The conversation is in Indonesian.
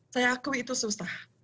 saya aku itu susah